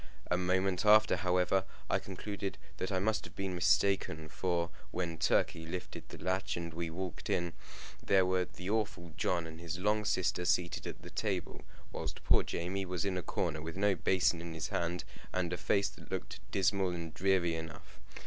A moment after, however, I concluded that I must have been mistaken, for, when Turkey lifted the latch and we walked in, there were the awful John and his long sister seated at the table, while poor Jamie was in a corner, with no basin in his hand, and a face that looked dismal and dreary enough.